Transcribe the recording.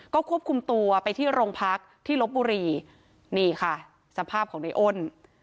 ก็ควบคุมตัวไปที่โรงพักที่ลบบุรีนี่ค่ะสภาพของในอ้น